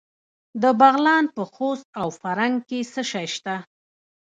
د بغلان په خوست او فرنګ کې څه شی شته؟